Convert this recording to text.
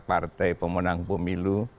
partai pemenang pemilu